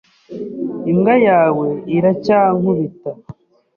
Imbwa yawe iracyankubita.